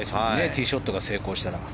ティーショットが成功したら。